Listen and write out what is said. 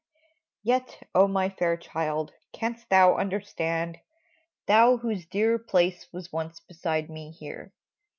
Yet, O my fair child, canst thou understand. Thou whose dear place was once beside me here.